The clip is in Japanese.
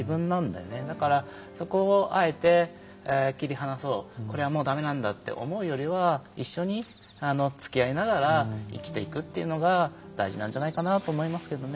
だから、そこをあえて切り離そうこれはもうだめなんだと思うよりは、一緒につきあいながら生きていくというのが大事なんじゃないかと思います。